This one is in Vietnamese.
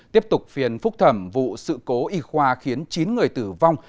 tiếp tục phiền phúc thẩm vụ sự cố y khoa khiến chín người tử vong